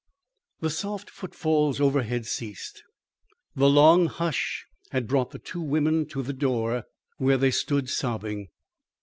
The soft footfalls overhead ceased. The long hush had brought the two women to the door where they stood sobbing.